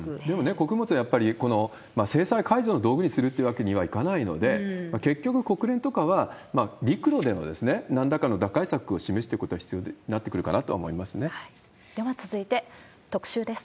穀物はやっぱり制裁解除の道具にするというわけにはいかないので、結局国連とかは、陸路でのなんらかの打開策を示していくことは必要になってくるかでは続いて、特集です。